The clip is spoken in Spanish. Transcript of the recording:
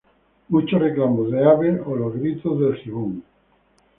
Muchos reclamos de aves, o los gritos del gibón.